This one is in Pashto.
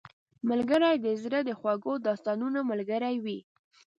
ملګری د زړه د خوږو داستانونو ملګری وي